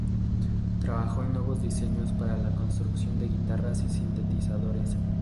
Trabajó en nuevos diseños para la construcción de guitarras y sintetizadores.